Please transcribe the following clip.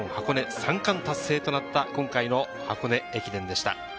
三冠達成となった今回の箱根駅伝でした。